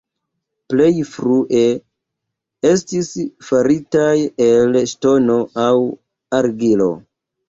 Plej frue estis faritaj el ŝtono aŭ argilo.